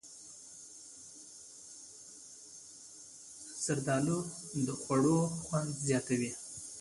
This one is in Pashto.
زردالو د خوړو خوند زیاتوي.